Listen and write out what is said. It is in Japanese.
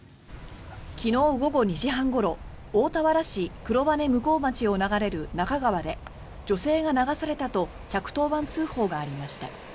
昨日午後２時半ごろ大田原市黒羽向町を流れる那珂川で女性が流されたと１１０番通報がありました。